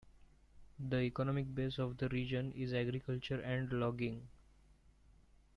The economic base of the region is agriculture and logging.